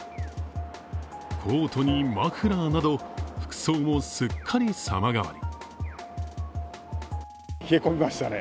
コートにマフラーなど、服装もすっかり様変わり。